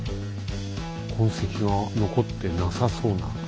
痕跡が残ってなさそうな。